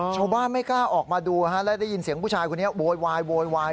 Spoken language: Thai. ชาวบ้านไม่กล้าออกมาดูและได้ยินเสียงผู้ชายคนนี้โวยวายโวยวาย